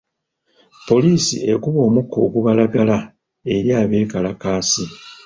Poliisi ekuba omukka ogubalagala eri abekalakaasi.